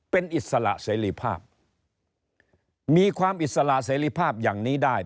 เป็นอิสระเสรีภาพมีความอิสระเสรีภาพอย่างนี้ได้